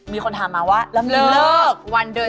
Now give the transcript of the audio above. มีคนถามมาว่าเรามีเริ่ม